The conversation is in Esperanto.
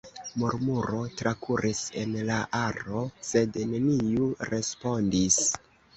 Murmuro trakuris en la aro, sed neniu respondis.